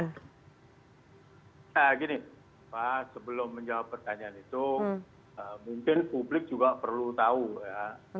nah gini pak sebelum menjawab pertanyaan itu mungkin publik juga perlu tahu ya